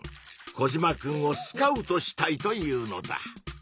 コジマくんをスカウトしたいというのだ。